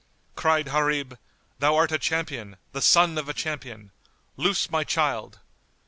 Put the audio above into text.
Cried Gharib, "Thou art a champion, the son of a champion. Loose my child!"